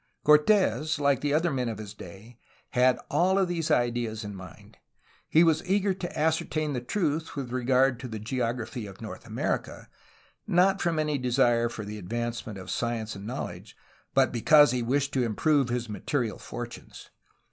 Cortes, like other men of his day, had all of these ideas in mind. He was eager to ascertain the truth with regard to the geography of North America, not from any desire for the advancement of science and knowledge, but because he wished to improve his material fortunes.